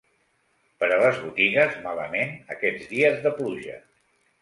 Per a les botigues, malament aquests dies de pluja.